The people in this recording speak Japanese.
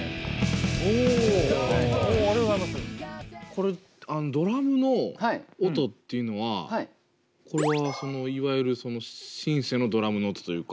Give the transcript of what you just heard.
これドラムの音っていうのはこれはそのいわゆるシンセのドラムの音というか。